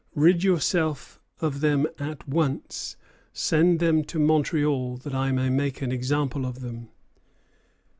Rid yourself of them at once; send them to Montreal, that I may make an example of them."